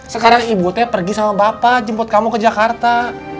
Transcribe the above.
sekarang ibu teh pergi sama bapak jemput kamu ke jakarta